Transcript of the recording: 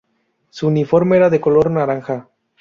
Su uniforme era de color naranja.